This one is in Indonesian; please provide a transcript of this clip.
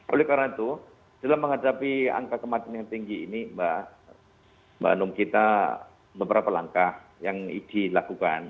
oleh karena itu dalam menghadapi angka kematian yang tinggi ini mbak anung kita beberapa langkah yang dilakukan